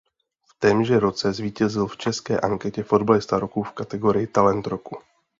V témže roce zvítězil v české anketě Fotbalista roku v kategorii Talent roku.